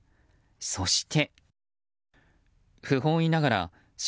そして。